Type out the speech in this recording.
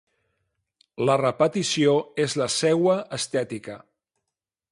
La repetició és la seua estètica.